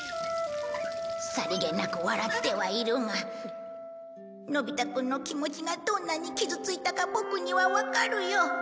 さりげなく笑ってはいるがのび太くんの気持ちがどんなに傷ついたかボクにはわかるよ